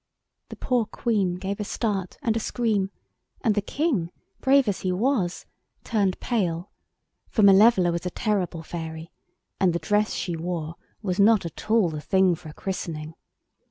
The poor Queen gave a start and a scream, and the King, brave as he was, turned pale, for Malevola was a terrible fairy, and the dress she wore was not at all the thing for a christening.